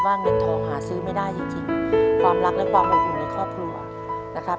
เงินทองหาซื้อไม่ได้จริงจริงความรักและความอบอุ่นในครอบครัวนะครับ